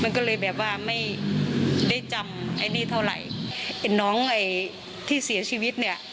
มันก็เลยแบบว่าไม่ได้จำไอ้นี่เท่าไหร่ไอ้น้องไอ้ที่เสียชีวิตเนี่ย